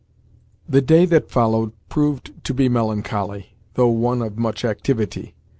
The day that followed proved to be melancholy, though one of much activity.